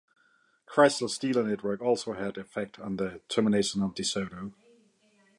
Chrysler's dealer network also had an effect on the termination of DeSoto.